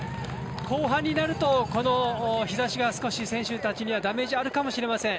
後半になるとこの日ざしが選手たちにはダメージあるかもしれません。